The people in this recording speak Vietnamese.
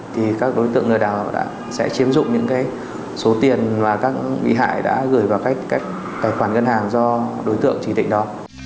thì các đối tượng lừa đảo sẽ chiếm dụng những số tiền mà các bị hại đã gửi vào các tài khoản ngân hàng do đối tượng chỉ định đó